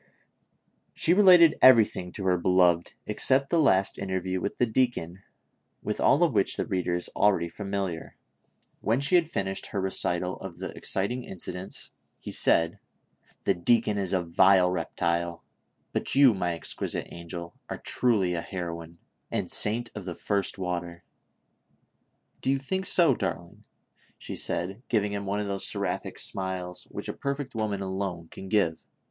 16 242 THE SOCIAL WAR OF 1900; OR, She related everything to her beloved except the last in terview with the deacon, with all of which the reader is already familiar ; when she had finished her recital of the exciting incidents, he said :" The deacon is a vile reptile ; but you, my exquisite angel, are truly a heroine and saint of tlie first water." "Do you think so, darling?" she said, giving him one of those seraphic smiles which a perfect woman alone can give.